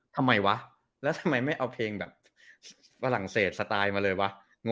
ทำไมวะแล้วทำไมไม่เอาเพลงแบบฝรั่งเศสสไตล์มาเลยวะ